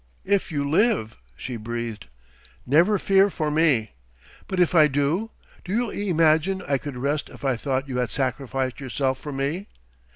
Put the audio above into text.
"If you live," she breathed. "Never fear for me...." "But if I do? Do you imagine I could rest if I thought you had sacrificed yourself for me?"